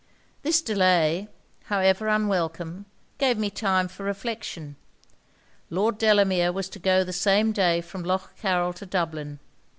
'This delay, however unwelcome, gave me time for reflection. Lord Delamere was to go the same day from Lough Carryl to Dublin.